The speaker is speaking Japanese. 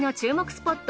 スポット